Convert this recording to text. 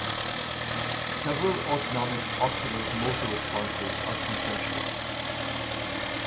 Several autonomic ocular motor responses are consensual.